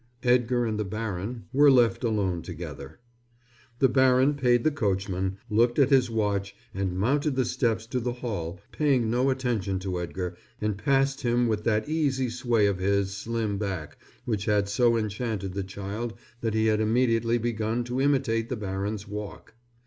Edgar and the baron were left alone together. The baron paid the coachman, looked at his watch, and mounted the steps to the hall, paying no attention to Edgar and passed him with that easy sway of his slim back which had so enchanted the child that he had immediately begun to imitate the baron's walk.